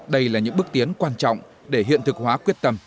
đây là những bước tiến quan trọng để hiện thực hóa quyết tâm